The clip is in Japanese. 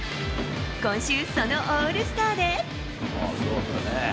今週、そのオールスターで。